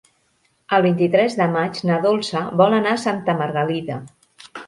El vint-i-tres de maig na Dolça vol anar a Santa Margalida.